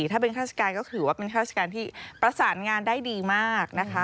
ถ้าเป็นข้าราชการก็ถือว่าเป็นข้าราชการที่ประสานงานได้ดีมากนะคะ